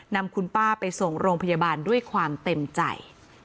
นำคุณป้าไปส่งโรงพยาบาลด้วยความเต็มใจ